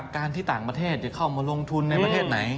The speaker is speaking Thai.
การที่ต่างประเทศจะเข้ามาลงทุนในประเทศไหน